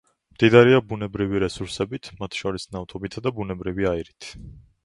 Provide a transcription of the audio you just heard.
მდიდარია ბუნებრივი რესურსებით, მათ შორის ნავთობითა და ბუნებრივი აირით.